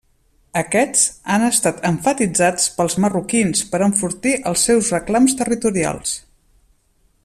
Aquests han estat emfatitzats pels Marroquins per enfortir els seus reclams territorials.